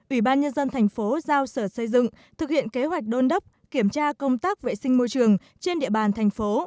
ủy ban nhân dân thành phố giao sở xây dựng thực hiện kế hoạch đôn đốc kiểm tra công tác vệ sinh môi trường trên địa bàn thành phố